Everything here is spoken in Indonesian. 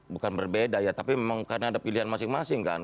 bukan berbeda ya tapi memang karena ada pilihan masing masing kan